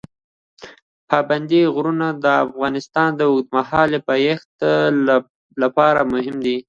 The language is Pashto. پابندي غرونه د افغانستان د اوږدمهاله پایښت لپاره مهم دي.